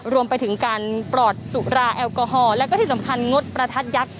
รวมไปถึงการปลอดสุราแอลกอฮอล์แล้วก็ที่สำคัญงดประทัดยักษ